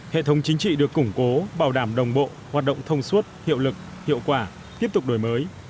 hệ thống chính trị được củng cố bảo đảm đồng bộ hoạt động thông suốt hiệu lực hiệu quả tiếp tục đổi mới